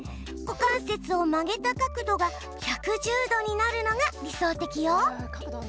股関節を曲げた角度が１１０度になるのが、理想的よ。